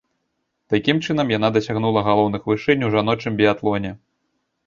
Такім чынам, яна дасягнула галоўных вышынь у жаночым біятлоне.